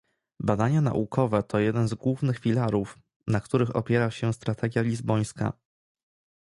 Badania naukowe to jeden z głównych filarów, na których opiera się strategia lizbońska